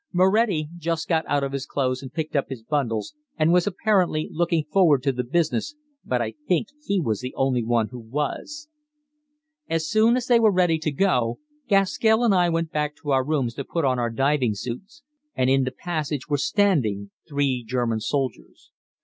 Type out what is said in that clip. Moretti just got out of his clothes and picked up his bundles and was apparently looking forward to the business, but I think he was the only one who was. As soon as they were ready to go, Gaskell and I went back to our rooms to put on our diving suits, and in the passage were standing three German soldiers.